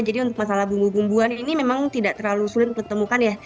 jadi untuk masalah bumbu bumbuan ini memang tidak terlalu sulit untuk ditemukan ya